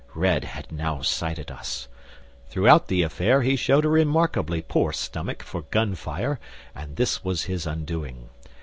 "Red had now sighted us. Throughout the affair he showed a remarkably poor stomach for gun fire, and this was his undoing.